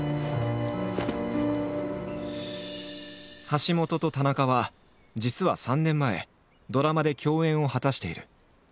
橋本と田中は実は３年前ドラマで共演を果たしている。